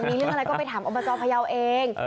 มีเรื่องอะไรก็ไปถามอบจพยาวเอง